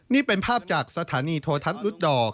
นี่เป็นภาพจากสถานีโทษัตริย์รุดดอล